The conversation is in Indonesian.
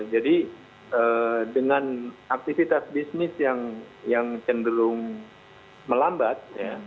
jadi dengan aktivitas bisnis yang cenderung melambat